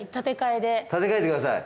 立て替えてください。